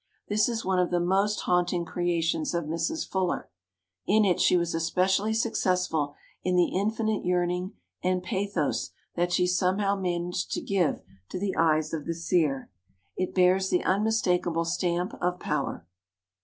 This is one of the most haunt ing creations of Mrs. Fuller. In it she was especially successful in the infinite yearning and pathos that she somehow managed to give to the eyes of the seer. It bears the unmistakable stamp of power.